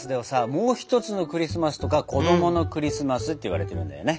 「もう一つのクリスマス」とか「子どものクリスマス」って言われてるんだよね。